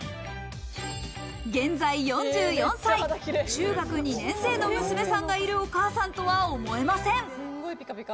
現在４４歳、中学２年生の娘さんがいるお母さんとは思えません。